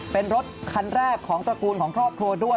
เป็นรถคันแรกของตระกูลของครอบครัวด้วย